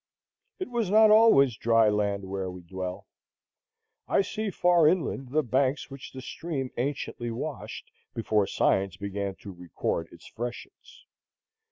It was not always dry land where we dwell. I see far inland the banks which the stream anciently washed, before science began to record its freshets.